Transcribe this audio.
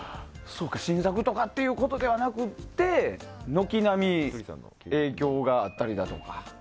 新作とかっていうことではなくて軒並み、影響があったりだとか。